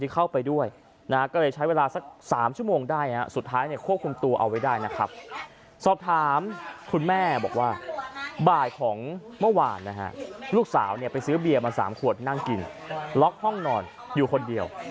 ๓ขวดนั่งกินล็อคห้องนอนอยู่คนเดียว